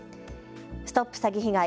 ＳＴＯＰ詐欺被害！